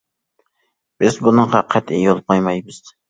بىز بۇنىڭغا قەتئىي يول قويمايمىز.